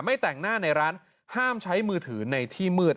แต่งหน้าในร้านห้ามใช้มือถือในที่มืด